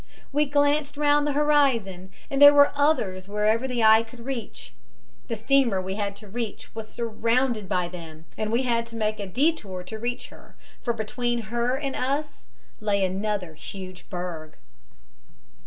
We glanced round the horizon and there were others wherever the eye could reach. The steamer we had to reach was surrounded by them and we had to make a detour to reach her, for between her and us lay another huge berg."